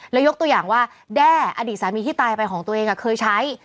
แล้วยกตัวอย่างว่าแด้อดีตสามีที่ตายไปของตัวเองเคยใช้